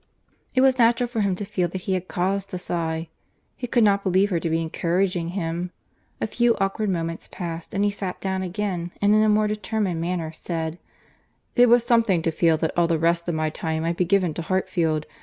It was natural for him to feel that he had cause to sigh. He could not believe her to be encouraging him. A few awkward moments passed, and he sat down again; and in a more determined manner said, "It was something to feel that all the rest of my time might be given to Hartfield.